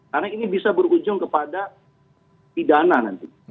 karena ini bisa berujung kepada pidana nanti